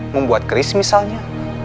membuat keris misalnya